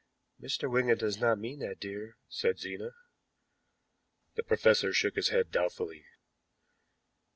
"Mr. Wigan does not mean that, dear," said Zena. The professor shook his head doubtfully.